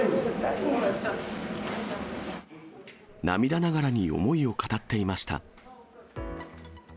涙ながらに思いを語っていました。